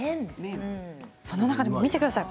その中でも、見てください